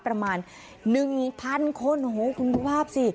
ประมาณ๑๐๐คนโอ้โหคุณดูภาพสิ